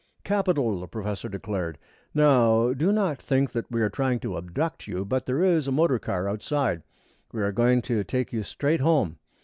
"Capital!" the professor declared. "Now do not think that we are trying to abduct you, but there is a motor car outside. We are going to take you straight home.